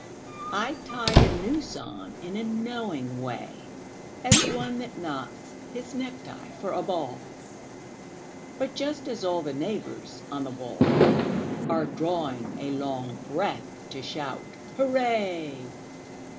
I tie the noose on in a knowing way As one that knots his necktie for a ball; But just as all the neighbours on the wall Are drawing a long breath to shout "Hurray!"